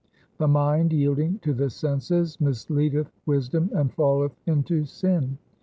The mind yielding to the senses mis leadeth wisdom and falleth into sin.